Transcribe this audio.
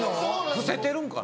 伏せてるんかな。